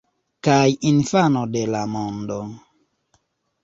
Kaj infano de la mondo.